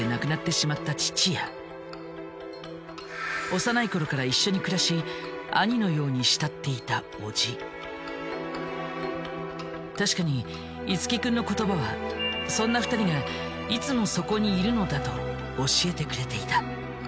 幼いころから一緒に暮らし確かに樹君の言葉はそんな２人がいつもそこにいるのだと教えてくれていた。